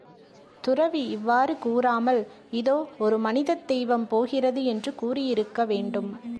துறவி இவ்வாறு கூறாமல், இதோ ஒரு மனிதத் தெய்வம் போகிறது என்று கூறியிருக்க வேண்டும்.